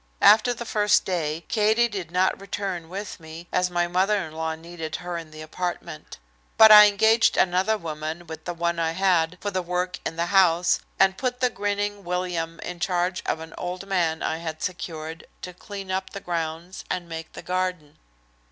After the first day, Katie did not return with me, as my mother in law needed her in the apartment. But I engaged another woman with the one I had for the work in the house and put the grinning William in charge of an old man I had secured to clean up the grounds and make the garden.